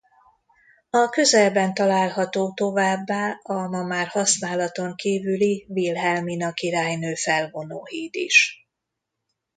A közelben található továbbá a ma már használaton kívüli Wilhelmina királynő felvonóhíd is.